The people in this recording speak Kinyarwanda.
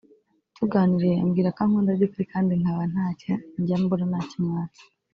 tuganiriye ambwira ko ankunda by’ukuri kandi nkaba ntacyo njya mbura nakimwatse